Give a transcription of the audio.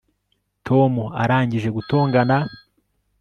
tom arangije gutongana